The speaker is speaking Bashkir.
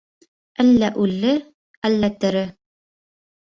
Әллә үле, әллә тере.